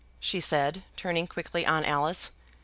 she said, turning quickly on Alice.